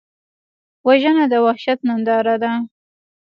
وژنه د وحشت ننداره ده